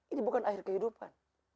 ini bukan akhir kehidupan